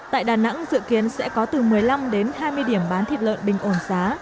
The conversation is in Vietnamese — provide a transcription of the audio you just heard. tại đà nẵng dự kiến sẽ có từ một mươi năm đến hai mươi điểm bán thịt lợn bình ổn giá